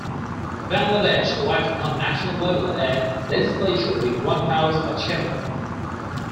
Bangladesh elects on national level a legislature with one house or chamber.